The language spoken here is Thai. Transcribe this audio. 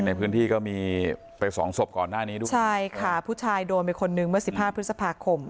ในพื้นที่ก็มีไปสองศพก่อนหน้านี้ด้วยใช่ค่ะผู้ชายโดนไปคนนึงเมื่อสิบห้าพฤษภาคม